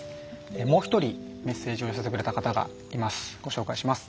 もう１人、メッセージを寄せてくれた方がいます。